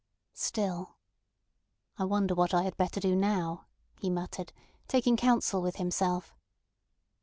Still— "I wonder what I had better do now?" he muttered, taking counsel with himself.